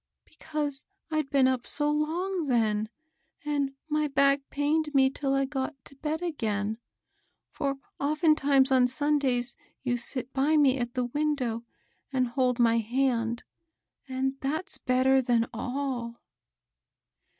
" Because I'd been up so long then, and my back pained me till I got to bed again ; for often times on Sundays you sit by me at the window and hold my hand, and thafs better than all."